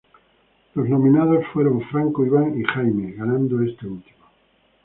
Los nominados fueron Franco, Iván y Jaime, ganando este último.